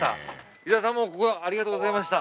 伊澤さんもありがとうございました。